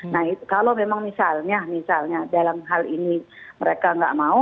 nah kalau memang misalnya dalam hal ini mereka nggak mau